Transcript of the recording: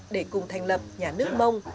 để cùng thành lập nhà nước mông